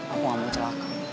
aku gak mau celaka